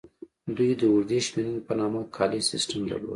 دوی د اوږدې شمېرنې په نامه کالیز سیستم درلود